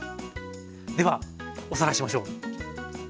ではおさらいしましょう。